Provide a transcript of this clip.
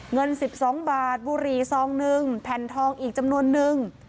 เงิน๑๒บาทบุหรี่ซองนึงแผ่นทองอีกจำนวนนึง